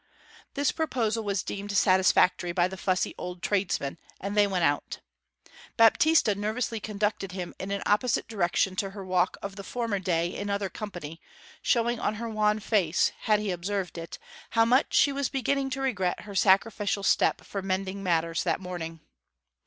This proposal was deemed satisfactory by the fussy old tradesman, and they went out. Baptista nervously conducted him in an opposite direction to her walk of the former day in other company, showing on her wan face, had he observed it, how much she was beginning to regret her sacrificial step for mending matters that morning.